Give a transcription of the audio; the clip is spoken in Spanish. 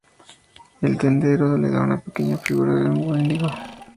El tendero le da una pequeña figura de un Wendigo.